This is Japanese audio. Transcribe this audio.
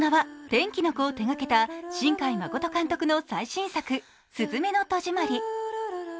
「天気の子」を手がけた新海誠監督の最新作「すずめの戸締まり」。